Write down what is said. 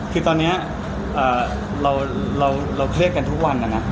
คือตอนนี้เราเครียดกันทุกวันนะนะ